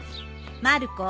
まる子。